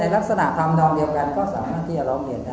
ลักษณะธรรมธรรมเดียวกันก็สามารถเจอแล้วจนเนียนได้